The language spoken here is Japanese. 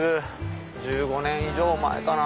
１５年以上前かな？